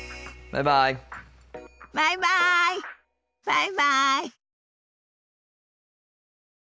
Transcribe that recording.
バイバイ。